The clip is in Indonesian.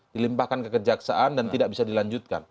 dilimpahkan kekejaksaan dan tidak bisa dilanjutkan